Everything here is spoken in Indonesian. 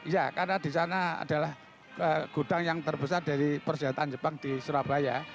ya karena di sana adalah gudang yang terbesar dari persenjataan jepang di surabaya